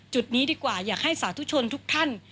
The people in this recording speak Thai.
จุดนี้ดีกว่าอยากให้สาธุชนทุกท่าน